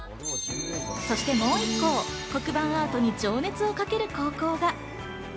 そしてもう１校、黒板アートに情熱をかける高校が。